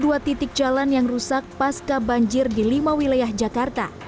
ada empat tujuh puluh dua titik jalan yang rusak pasca banjir di lima wilayah jakarta